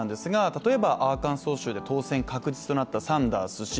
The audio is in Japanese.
例えばアーカンソー州で当選確実となったサンダース氏。